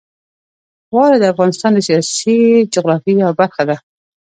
واوره د افغانستان د سیاسي جغرافیې یوه برخه ده.